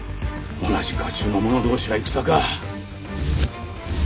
同じ家中の者同士が戦か。